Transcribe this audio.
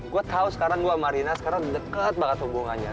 gue tau sekarang gue sama rina sekarang deket banget hubungannya